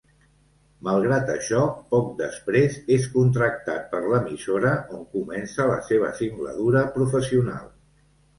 Malgrat això, poc després, és contractat per l'emissora, on comença la seva singladura professional.